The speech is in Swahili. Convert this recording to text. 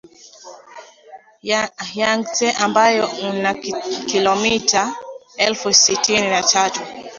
Yangtse ambao una kilomita elfu sitini na tatu